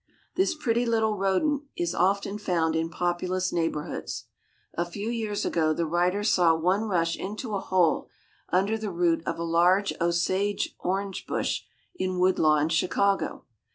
This pretty little rodent is often found in populous neighborhoods. A few years ago the writer saw one rush into a hole under the root of a large osage orange bush in Woodlawn, Chicago.